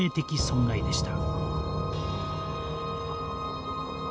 損害でした。